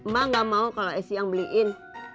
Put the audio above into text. ma nggak mau kalau esi yang beliin